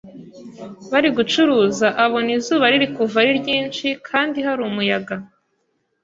bari gucuruza abona izuba riri kuva ari ryinshi kandi hari umuyaga